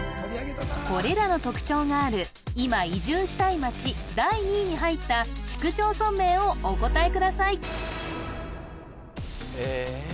これらの特徴があるいま移住したい町第２位に入った市区町村名をお答えくださいえっ？